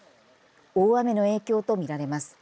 大雨の影響と見られます。